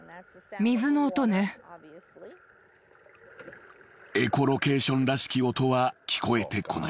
［エコロケーションらしき音は聞こえてこない］